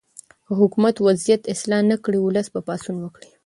که حکومت وضعیت اصلاح نه کړي، ولس به پاڅون وکړي.